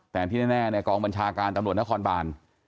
แต่ที่แน่เนี่ยกองบัญชาการตำรวจนครบาน